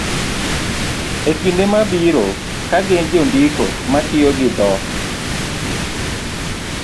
e kinde mabiro ka gin jondiko ma tiyo gi dho